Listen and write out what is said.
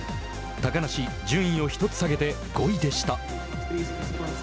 高梨、順位を１つ下げて５位でした。